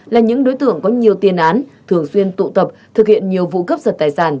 là những đối tượng có nhiều tiền án thường xuyên tụ tập thực hiện nhiều vụ cấp giật tài sản